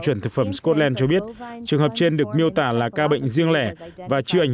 chuẩn thực phẩm scotland cho biết trường hợp trên được miêu tả là ca bệnh riêng lẻ và chưa ảnh